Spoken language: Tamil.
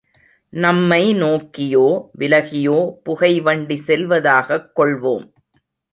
நம்மை நோக்கியோ விலகியோ புகைவண்டி செல்வதாகக் கொள்வோம்.